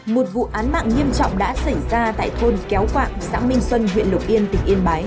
một vụ án mạng nghiêm trọng đã xảy ra tại thôn kéo quạng xã minh xuân huyện lục yên tỉnh yên bái